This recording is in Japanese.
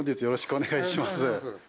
お願いします。